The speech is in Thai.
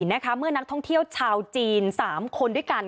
เมื่อนักท่องเที่ยวชาวจีน๓คนด้วยกัน